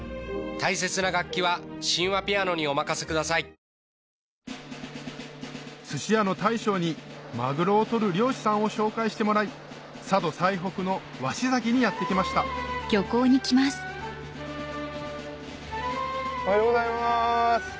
この後人生初の定置網漁を体験寿司屋の大将にマグロを取る漁師さんを紹介してもらい佐渡最北の鷲崎にやって来ましたおはようございます。